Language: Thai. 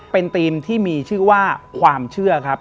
เป็นธีมที่มีชื่อว่าความเชื่อครับ